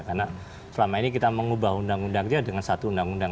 karena selama ini kita mengubah undang undangnya dengan satu undang undang